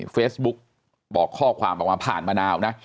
เฟซบุ๊กบอกข้อความออกมาผ่านมะนาวนะ